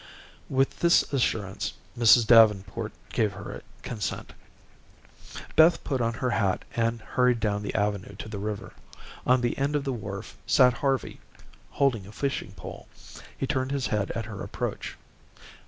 With this assurance, Mrs. Davenport gave her consent. Beth put on her hat and hurried down the avenue to the river. On the end of the wharf sat Harvey, holding a fishing pole. He turned his head at her approach.